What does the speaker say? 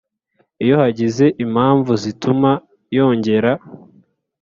Iyo hagize impamvu zituma yongera